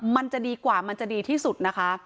มันจะดีกว่ามันจะดีที่สุดนะคะ